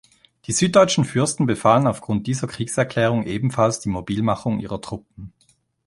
Die süddeutschen Fürsten befahlen aufgrund dieser Kriegserklärung ebenfalls die Mobilmachung ihrer Truppen.